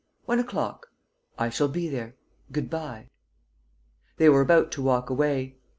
"One o'clock." "I shall be there. Good bye." They were about to walk away.